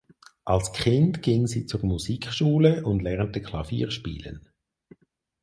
Als Kind ging sie zur Musikschule und lernte Klavier spielen.